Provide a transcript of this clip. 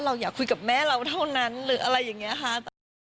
อยากคุยกับแม่เราเท่านั้นหรืออะไรอย่างนี้ค่ะ